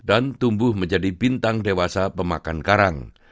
dan tumbuh menjadi bintang dewasa pemakan karang